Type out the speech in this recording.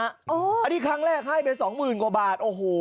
อันนี้ครั้งแรกให้ไปสองหมื่นกว่าบาทโอ้โห